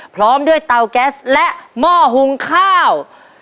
พร้อมด้วยเตาแก๊สและหม้อหุงข้าว